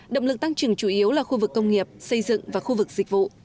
động lực tăng trưởng chủ yếu là khu vực công nghiệp xây dựng và khu vực dịch vụ